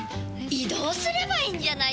移動すればいいんじゃないですか？